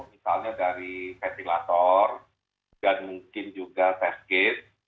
misalnya dari ventilator dan mungkin juga test kit